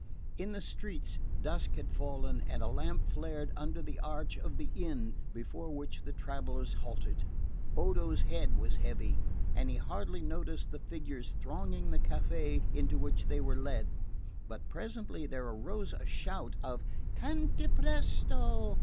In the streets dusk had fallen and a lamp flared under the arch of the inn before which the travellers halted. Odo's head was heavy, and he hardly noticed the figures thronging the caffe into which they were led; but presently there rose a shout of "Cantapresto!"